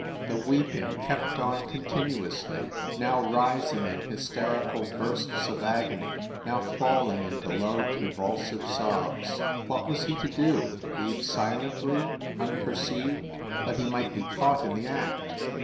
The weep ing kept on continuously, now rising in hysterical bursts of agony, now falling into low convulsive sobs. What was he to do? Leave silently, unper ceived ? But he might be caught in the act.